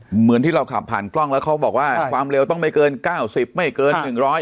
เหมือนที่เราขับผ่านกล้องแล้วเขาบอกว่าความเร็วต้องไม่เกินเก้าสิบไม่เกินหนึ่งร้อย